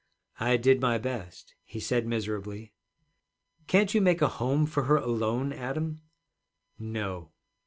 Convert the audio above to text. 'I did my best,' he said miserably. 'Can't you make a home for her alone, Adam?' 'No.'